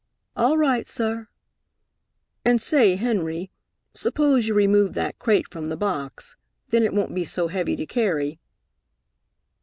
"All right, sah." "And say, Henry, suppose you remove that crate from the box. Then it won't be so heavy to carry."